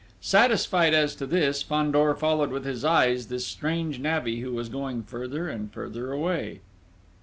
Satisfied as to this, Fandor followed with his eyes this strange navvy who was going further and further away.